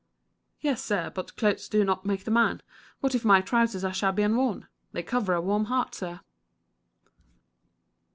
"Yes, sir; but clothes do not make the man. What if my trousers are shabby and worn? They cover a warm heart, sir."